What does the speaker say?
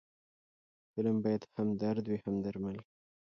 فلم باید هم درد وي، هم درمل